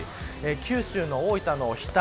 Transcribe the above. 九州の大分の日田